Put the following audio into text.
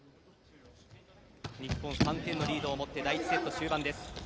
日本３点のリードを持って第１セット終盤です。